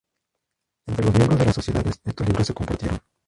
Entre los miembros de las Sociedades estos libros se compartieron.